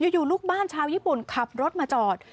อยู่ลูกบ้านชาวญี่ปุ่นขับรถมาจอด